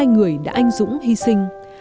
hai mươi hai người đã anh dũng hy sinh